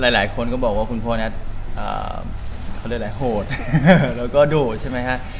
หลายคนก็บอกว่าคุณพ่อนัดเขาเรียกว่าโหดแล้วก็ดูดใช่มั้ยค่ะ